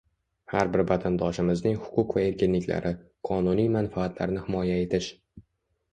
har bir vatandoshimizning huquq va erkinliklari, qonuniy manfaatlarini himoya etish